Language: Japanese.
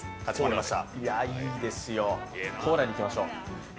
いいですよ、コーラでいきましょう。